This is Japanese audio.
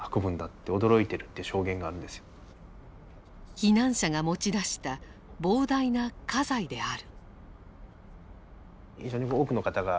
避難者が持ち出した膨大な家財である。